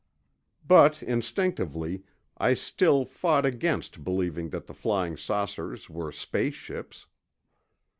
But, instinctively, I still fought against believing that the flying saucers were space ships.